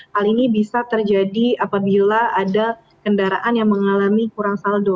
hal ini bisa terjadi apabila ada kendaraan yang mengalami kurang saldo